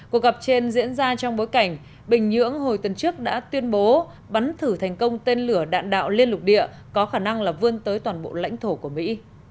cuộc gặp trên diễn ra trong bối cảnh bình nhưỡng hồi tuần trước đã tuyên bố bắn thử thành công tên lửa đạn đạo liên lục địa có khả năng là vươn tới toàn bộ lãnh thổ của mỹ